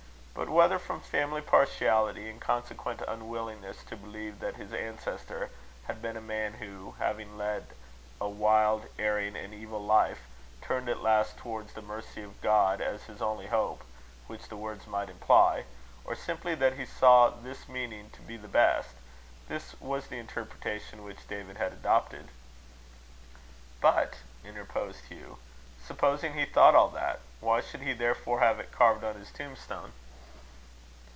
But whether from family partiality, and consequent unwillingness to believe that his ancestor had been a man who, having led a wild, erring, and evil life, turned at last towards the mercy of God as his only hope, which the words might imply; or simply that he saw this meaning to be the best; this was the interpretation which David had adopted. "But," interposed Hugh, "supposing he thought all that, why should he therefore have it carved on his tombstone?"